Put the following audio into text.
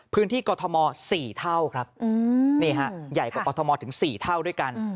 พื้นที่กอทมอร์๔เท่าครับนี่ฮะใหญ่กว่ากอทมอร์ถึง๔เท่าด้วยกัน